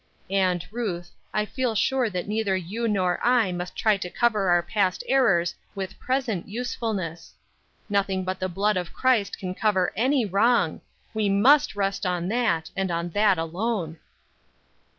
And, Ruth, I feel sure that neither you nor I must try to cover our past errors with present usefulness. Nothing but the blood of Christ can cover any wrong; we must rest on that, and on that alone."